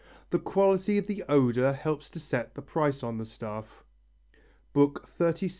The quality of the odour helps to set the price on the stuff" (XXXVII, 8).